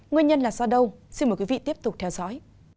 nguyên nhân là do đâu xin mời quý vị tiếp tục theo dõi